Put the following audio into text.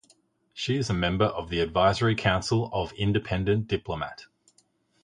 She is a member of the Advisory Council of Independent Diplomat.